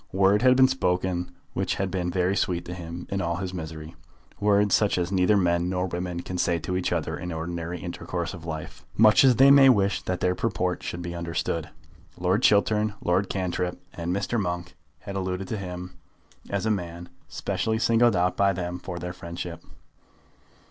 Words had been spoken which had been very sweet to him in all his misery, words such as neither men nor women can say to each other in the ordinary intercourse of life, much as they may wish that their purport should be understood. Lord Chiltern, Lord Cantrip, and Mr. Monk had alluded to him as a man specially singled out by them for their friendship.